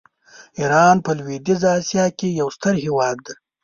ایران په لویدیځه آسیا کې یو ستر هېواد دی.